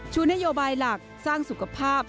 ชูนโยบายหลักสร้างสุขภาพ